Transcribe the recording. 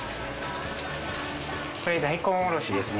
これ大根おろしですね。